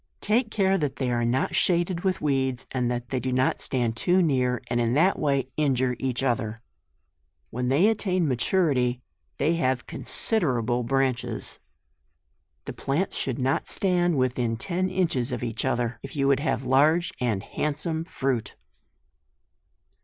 Take care that they are not shaded with weeds, and that they do not stand too near, and in that way injure each other. When they attain maturity they have considerable branches. The plants should not stand within ten inches of each other, if you would have large and handsome fruit.